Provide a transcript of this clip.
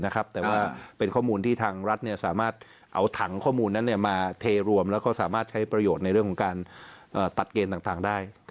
แต่ว่าเป็นข้อมูลที่ทางรัฐสามารถเอาถังข้อมูลนั้นมาเทรวมแล้วก็สามารถใช้ประโยชน์ในเรื่องของการตัดเกณฑ์ต่างได้